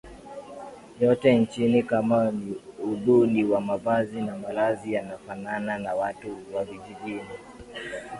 yote nchini kama ni uduni wa mavazi na malazi yanafanana na watu wa vijijini